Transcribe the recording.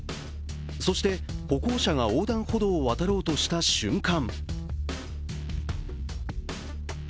そして歩行者が横断歩道を渡ろうとした瞬間